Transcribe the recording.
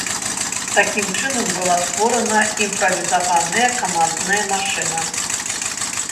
Такім чынам была створана імправізаваная камандная машына.